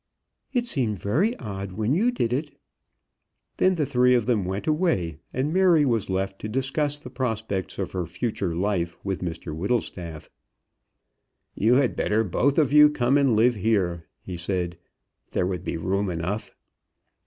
"It seemed very odd when you did it." Then the three of them went away, and Mary was left to discuss the prospects of her future life with Mr Whittlestaff. "You had better both of you come and live here," he said. "There would be room enough."